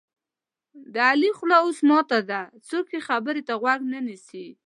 د علي خوله اوس ماته ده څوک یې خبرې ته غوږ نه نیسي.